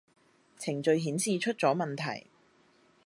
程序顯示出咗問題